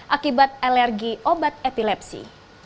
akibat alergi obat epilepsi